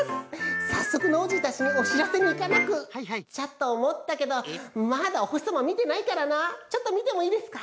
さっそくノージーたちにおしらせにいかなくちゃとおもったけどまだおほしさまみてないからなちょっとみてもいいですか？